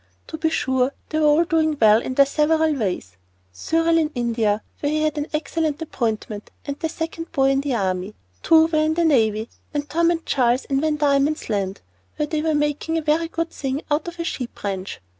To be sure, all were doing well in their several ways, Cyril in India, where he had an excellent appointment, and the second boy in the army; two were in the navy, and Tom and Giles in Van Diemen's Land, where they were making a very good thing out of a sheep ranch.